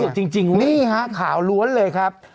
อุ๊ยแต่เผือกจริงนี่ฮะขาวล้วนเลยครับ